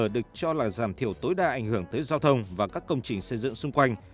được cho là giảm thiểu tối đa ảnh hưởng tới giao thông và các công trình xây dựng xung quanh